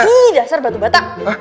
ih dasar batu bata